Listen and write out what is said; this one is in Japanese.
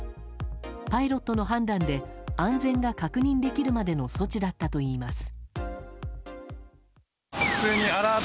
パイロットの判断で安全が確認できるまでの措置だったといいます。